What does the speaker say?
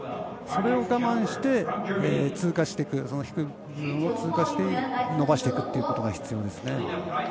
それを我慢して低いのを通過して伸ばしていくってことが必要ですね。